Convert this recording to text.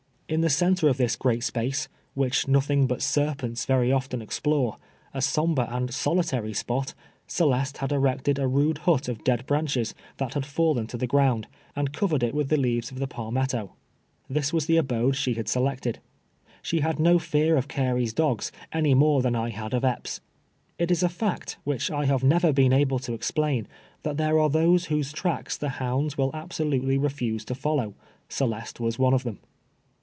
In the centre of this 246 TWELTE YEAKS A SLAVE. great space, wliich iiotliiii^ Ijut scqjents very often explore — a sombre and solitary spot — Celeste had erected a rude Imt of dead branches that had fallen to the ground, and covered it with the leaves of the palmetto. This was tlie abode she had selected. She had no fear of Carey's do<i:s, any more than I liad of Ep])s'. It is a fact, wliich I have never been able to exjdain, that there are those whose tracks the hounds will absolutely refuse to follow. Celeste was one of them.